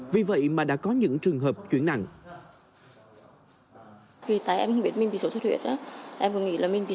vì vậy mà đã có những trường hợp chuyển nặng